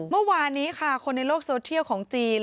เมื่อวานนี้ค่ะคนในโลกโซเทียลของจีน